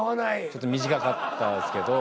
ちょっと短かったですけど。